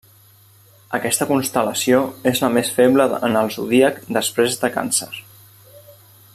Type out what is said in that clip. Aquesta constel·lació és la més feble en el zodíac després de Càncer.